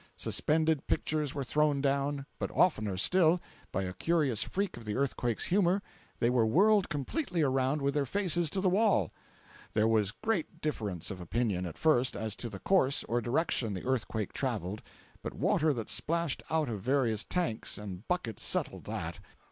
Suspended pictures were thrown down, but oftener still, by a curious freak of the earthquake's humor, they were whirled completely around with their faces to the wall! There was great difference of opinion, at first, as to the course or direction the earthquake traveled, but water that splashed out of various tanks and buckets settled that.